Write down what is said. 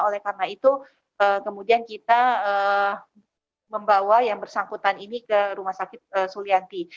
oleh karena itu kemudian kita membawa yang bersangkutan ini ke rumah sakit sulianti